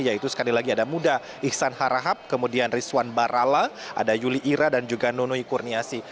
yaitu sekali lagi ada muda iksan harahap kemudian rizwan barala ada yuli ira dan juga nunui kurniasi